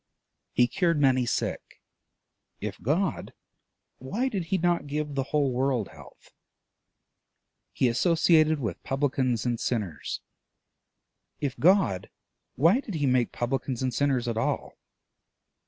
He cured many sick: if God, why did he not give the whole world health? He associated with publicans and sinners: if God, why did he make publicans and sinners at all?